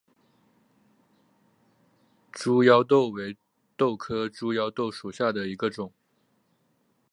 猪腰豆为豆科猪腰豆属下的一个种。